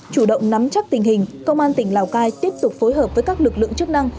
chủ động nắm chắc tình hình công an tỉnh lào cai tiếp tục phối hợp với các lực lượng chức năng